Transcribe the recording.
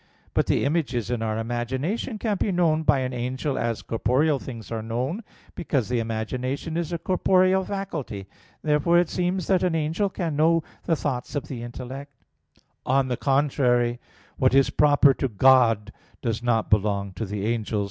But the images in our imagination can be known by an angel as corporeal things are known: because the imagination is a corporeal faculty. Therefore it seems that an angel can know the thoughts of the intellect. On the contrary, What is proper to God does not belong to the angels.